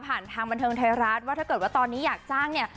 ทางบันเทิงไทยรัฐว่าถ้าเกิดว่าตอนนี้อยากจ้างเนี่ย